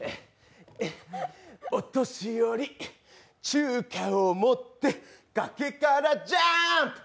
お年寄り、中華を持って崖からジャーンプ！